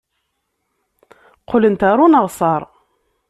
Qqlent ɣer uneɣsar.